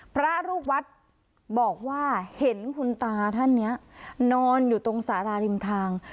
พระลูกวัดบอกว่าเห็นคุณตาท่านนี้นอนอยู่ตรงสาราริมทาง